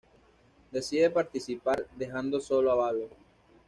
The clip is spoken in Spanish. Decide participar, dejando solo a Valo.